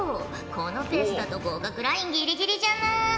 このペースだと合格ラインギリギリじゃな。